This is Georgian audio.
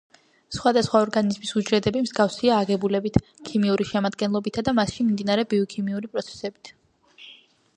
სხვადასხვა ორგანიზმის უჯრედები მსგავსია აგებულებით, ქიმიური შემადგენლობით და მასში მიმდინარე ბიოქიმიური პროცესებით.